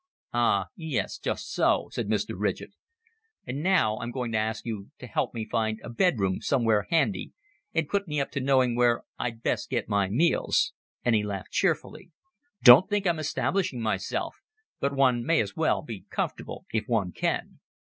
"Ah, yes, just so," said Mr. Ridgett. "And now I'm going to ask you to help me find a bedroom somewhere handy, and put me up to knowing where I'd best get my meals;" and he laughed cheerfully. "Don't think I'm establishing myself but one may as well be comfortable, if one can.